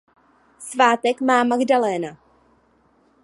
Svátek má Magdaléna.